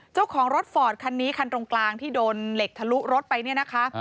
เจ้าของรถฟอร์ดคันนี้คันตรงกลางที่โดนเหล็กทะลุรถไปเนี่ยนะคะ